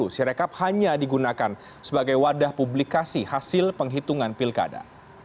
sirekap hanya digunakan sebagai wadah publikasi hasil penghitungan pilkada